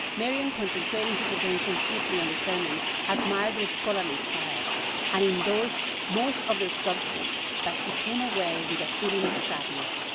Marion, concentrating his attention chiefly on the sermons, admired their scholarly style, and indorsed most of their substance, but he came away with a feeling of sadness.